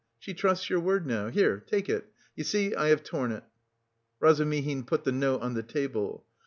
She trusts your word now. Here, take it, you see I have torn it." Razumihin put the note on the table.